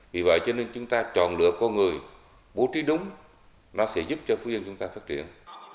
vì vậy cho nên chúng ta chọn lựa con người bố trí đúng nó sẽ giúp cho phú yên chúng ta phát triển